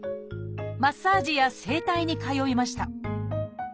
マッサージや整体に通いました。